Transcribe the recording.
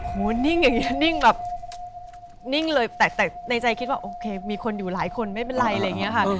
นิ่งอย่างนี้นิ่งแบบนิ่งเลยแต่ในใจคิดว่าโอเคมีคนอยู่หลายคนไม่เป็นไรอะไรอย่างนี้ค่ะ